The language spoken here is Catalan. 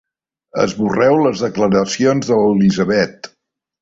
Esborreu les declaracions de l'Elisabet.